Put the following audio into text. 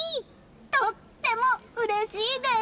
とってもうれしいです！